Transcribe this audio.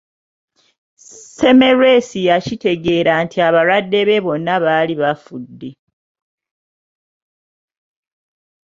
Semmelwesi yakitegeera nti abalwadde be bonna baali bafudde.